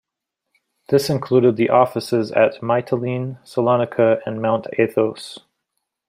This included the offices at Mytilene, Salonika and Mount Athos.